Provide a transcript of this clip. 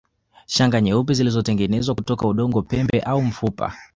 Shanga nyeupe zilitengenezwa kutoka udongo pembe au mfupa